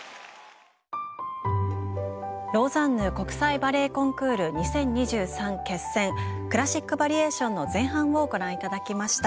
「ローザンヌ国際バレエコンクール２０２３」決選クラシック・バリエーションの前半をご覧頂きました。